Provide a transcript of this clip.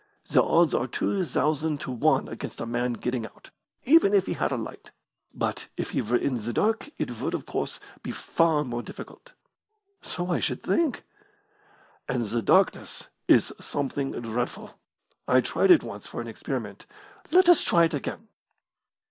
The odds are two thousand to one against a man getting out, even if he had a light; but if he were in the dark it would, of course, be far more difficult." "So I should think." "And the darkness is something dreadful. I tried it once for an experiment. Let us try it again!"